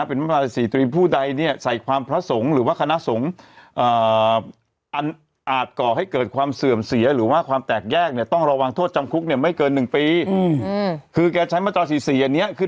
เป็นมาตรา๔๔ผู้ใดเนี่ยใส่ความพระสงฆ์หรือว่าคณะสงฆ์